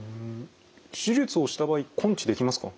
手術をした場合根治できますか？